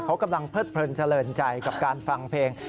เขากำลังเพิดเพลินเจริญใจกับการฟังเพลง